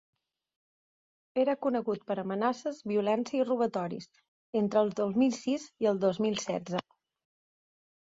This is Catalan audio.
Era conegut per amenaces, violència i robatoris, entre el dos mil sis i el dos mil setze.